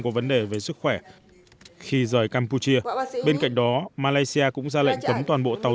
có vấn đề về sức khỏe khi rời campuchia bên cạnh đó malaysia cũng ra lệnh cấm toàn bộ tàu